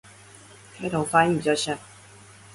開頭發音比較像